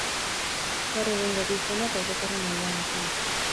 Gaur egungo bi izenak aurrekoaren aldaerak dira.